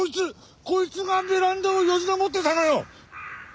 こいつがベランダをよじ登ってたのよ。